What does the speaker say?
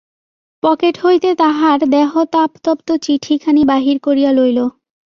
Pocket হইতে তাহার দেহতাপতপ্ত চিঠিখানি বাহির করিয়া লইল।